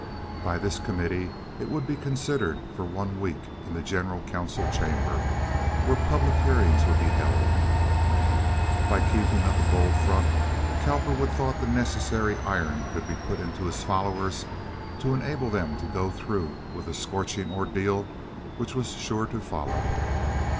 By this committee it would be considered for one week in the general council chamber, where public hearings would be held. By keeping up a bold front Cowperwood thought the necessary iron could be put into his followers to enable them to go through with the scorching ordeal which was sure to follow.